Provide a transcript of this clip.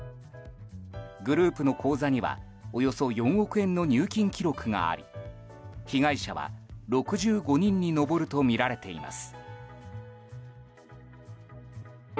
グループの口座にはおよそ４億円の入金記録があり被害者は６５人に上るとみられています。